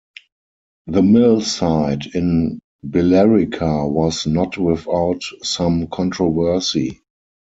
The mill site in Billerica was not without some controversy.